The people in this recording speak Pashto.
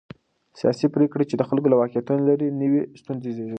سیاسي پرېکړې چې د خلکو له واقعيتونو لرې وي، نوې ستونزې زېږوي.